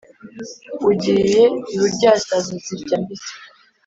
Ugiye iburyasazi azirya mbisi.